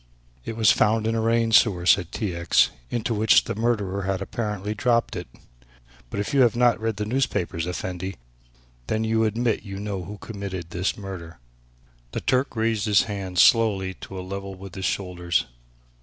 "It was found in a rain sewer," said T. X., "into which the murderer had apparently dropped it. But if you have not read the newspapers, Effendi, then you admit that you know who committed this murder." The Turk raised his hands slowly to a level with his shoulders.